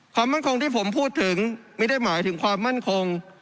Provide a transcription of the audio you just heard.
ความมั่นคงที่ผมพูดถึงไม่ได้หมายถึงความมั่นคง